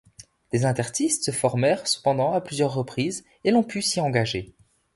Des interstices se formèrent cependant à plusieurs reprises, et l'on put s'y engager.